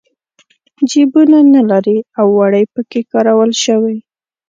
جېبونه نه لري او وړۍ پکې کارول شوي.